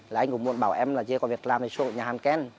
là anh cũng muốn bảo em là chưa có việc làm thì xuống nhà hàng ken